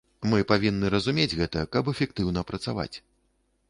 Мы павінны разумець гэта, каб эфектыўна працаваць.